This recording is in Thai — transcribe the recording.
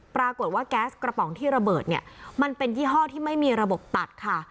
ปรากฏว่าแก๊สกระป๋องที่ระเบิดเนี่ยมันเป็นยี่ห้อที่ไม่มีระบบตัดค่ะ